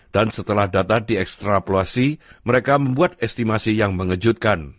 dan setelah data diekstrapulasi mereka membuat estimasi yang mengejutkan